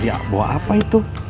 dia bawa apa itu